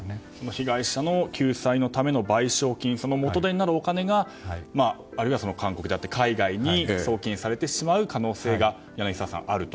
被害者の救済のための賠償金元手になるお金が韓国であったり海外に送金されてしまう可能性が柳澤さん、あると。